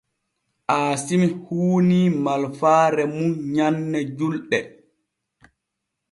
Aasimi huunii malfaare mum nyanne julɗe.